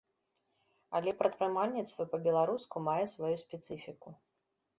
Але прадпрымальніцтва па-беларуску мае сваю спецыфіку.